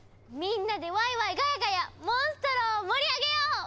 みんなでワイワイガヤガヤモンストロを盛り上げよう！